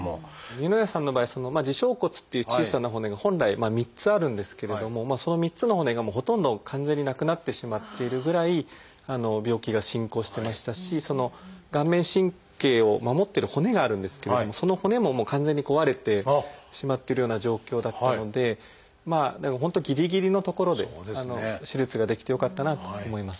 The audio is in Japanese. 丹生谷さんの場合耳小骨っていう小さな骨が本来３つあるんですけれどもその３つの骨がもうほとんど完全になくなってしまっているぐらい病気が進行してましたし顔面神経を守ってる骨があるんですけれどもその骨ももう完全に壊れてしまってるような状況だったのでだから本当ぎりぎりのところで手術ができてよかったなと思います。